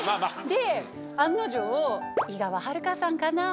で案の定井川遥さんかな？